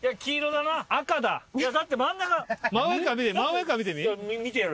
だって真ん中。